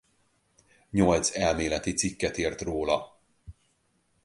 Nyolc elméleti cikket írt róla.